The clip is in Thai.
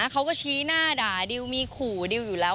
เขาก็ชี้หน้าด่าดิวมีขู่ดิวอยู่แล้ว